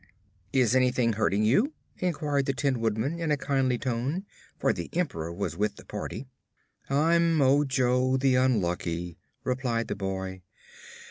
"Is anything hurting you?" inquired the Tin Woodman in a kindly tone, for the Emperor was with the party. "I'm Ojo the Unlucky," replied the boy.